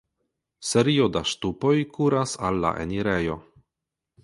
Serio da ŝtupoj kuras al la enirejo.